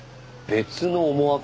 別の思惑？